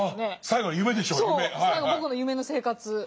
最後の僕の夢の生活。